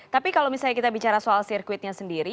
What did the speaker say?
tapi kalau misalnya kita bicara soal sirkuitnya sendiri